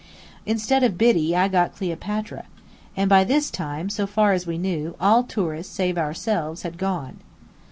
Instead of Biddy, I got Cleopatra. And by this time, so far as we knew, all tourists save ourselves had gone.